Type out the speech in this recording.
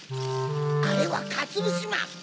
あれはかつぶしまん！